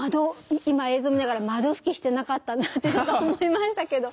今映像を見ながら窓拭きしてなかったなって思いましたけど。